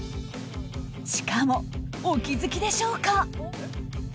しかも、お気づきでしょうか？